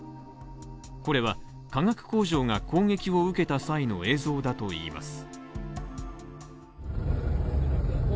これは化学工場が攻撃を受けた際の映像だといいます。